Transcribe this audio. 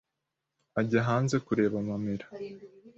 Ajya hanze kureba amamera